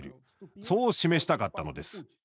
そう示したかったのです。